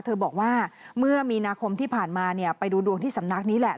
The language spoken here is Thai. บอกว่าเมื่อมีนาคมที่ผ่านมาไปดูดวงที่สำนักนี้แหละ